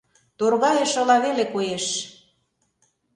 Торгайышыла веле коеш.